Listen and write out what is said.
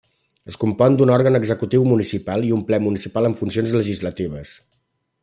Es compon d'un òrgan Executiu Municipal i un Ple Municipal amb funcions legislatives.